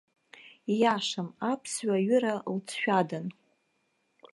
Ииашам, аԥсуа ҩыра лҵшәадан.